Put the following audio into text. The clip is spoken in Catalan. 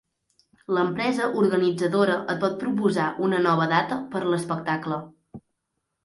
L'empresa organitzadora et pot proposar una nova data per a l'espectacle.